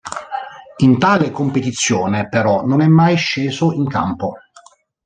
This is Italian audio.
In tale competizione, però, non è mai sceso in campo.